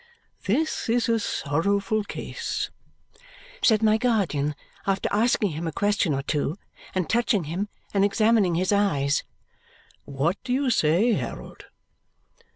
"This is a sorrowful case," said my guardian after asking him a question or two and touching him and examining his eyes. "What do you say, Harold?"